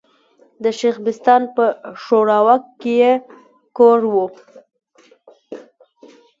د شېخ بستان په ښوراوک کي ئې کور ؤ.